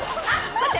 待って！